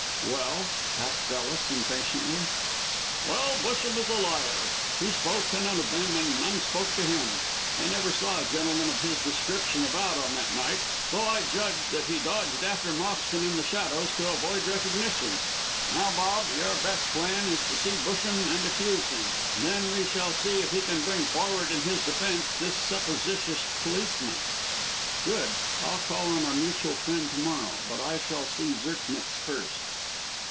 "Well?" asked Ellis, impatiently. "Well, Busham is a liar; he spoke to none of them, and none spoke to him. They never saw a gentleman of his description about on that night, so I judged that he dodged after Moxton in the shadows to avoid recognition. Now, Bob, your best plan is to see Busham and accuse him; then we shall see if he can bring forward in his defence this supposititious policeman." "Good. I'll call on our mutual friend to morrow. But I shall see Zirknitz first."